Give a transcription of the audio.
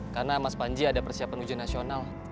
karena mas panji ada persiapan ujian nasional